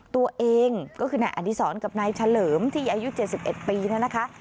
ตัวเองก็คือนายอดีศรกับนายเฉลิมที่อายุ๗๑ปีนะคะ